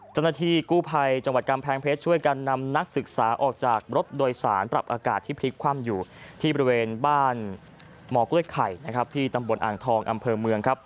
จังหวัดกำแพงเพชรช่วยการนำนักศึกษาออกจากรถโดยสารปรับอากาศที่พลิกคว่ำอยู่ที่บริเวณบ้านหมอกล้วยไข่ที่ตำบลอ่างทองอำเภอเมือง